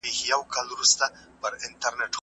هغه اوس په کتابتون کې کار کوي.